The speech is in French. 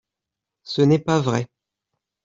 Ce n’est pas vrai